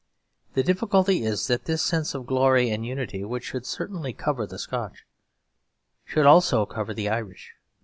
The difficulty is that this sense of glory and unity, which should certainly cover the Scotch, should also cover the Irish.